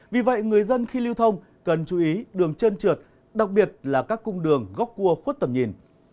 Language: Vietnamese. vì vậy người dân khi lưu thông cần chú ý đường trơn trượt đặc biệt là các cung đường góc cua khuất tầm nhìn